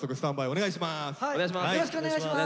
お願いします。